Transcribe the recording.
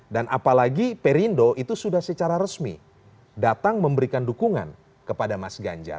dan apalagi perindo itu sudah secara resmi datang memberikan dukungan kepada mas ganjar